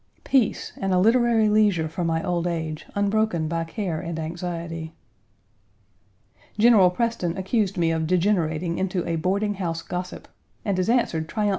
Peace, and a literary leisure for my old age, unbroken by care and anxiety! General Preston accused me of degenerating into a boarding house gossip, and is answered triumphantly by 1.